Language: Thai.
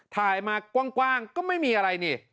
ถ่ายมากว้างก็ไม่มีอะไรนี่